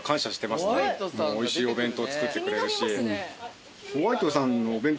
美味しいお弁当作ってくれるし。